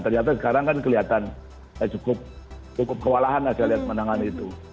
ternyata sekarang kan kelihatan cukup kewalahan saya lihat menangan itu